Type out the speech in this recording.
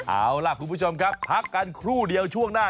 เอาล่ะคุณผู้ชมครับพักกันครู่เดียวช่วงหน้า